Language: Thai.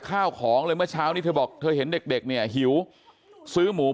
ข้าวของเลยเมื่อเช้านี้เธอบอกเธอเห็นเด็กเนี่ยหิวซื้อหมู